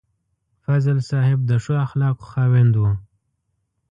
فضل صاحب د ښو اخلاقو خاوند و.